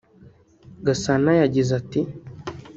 Gasana yagize ati